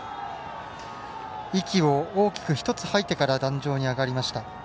息を大きく１つ吐いてから壇上に上がりました。